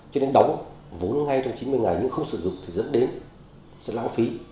cho nên đóng vốn ngay trong chín mươi ngày nhưng không sử dụng thì dẫn đến sẽ lãng phí